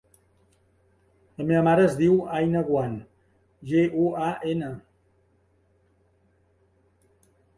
La meva mare es diu Aina Guan: ge, u, a, ena.